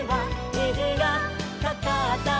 「にじがかかったよ」